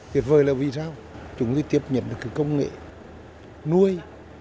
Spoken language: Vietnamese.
tuyệt vời là vì sao chúng tôi tiếp nhận được công nghệ nuôi